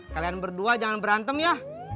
kalian berdua jangan berantem ya